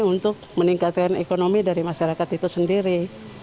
untuk meningkatkan ekonomi dari masyarakat itu sendiri